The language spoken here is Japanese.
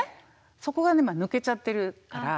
そこが今抜けちゃってるから。